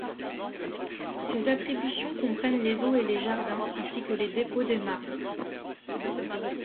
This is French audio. Ses attributions comprennent les eaux et les jardins, ainsi que les dépôts des marbres.